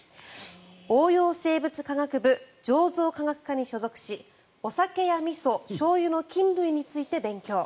応用生物科学部醸造科学科に所属しお酒やみそ、しょうゆの菌類について勉強。